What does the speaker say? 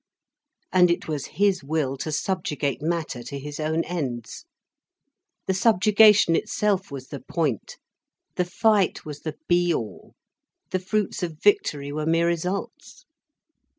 And it was his will to subjugate Matter to his own ends. The subjugation itself was the point, the fight was the be all, the fruits of victory were mere results.